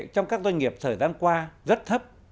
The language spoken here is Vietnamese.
trong các doanh nghiệp thời gian qua rất thấp